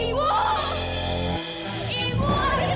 hanya seorang pria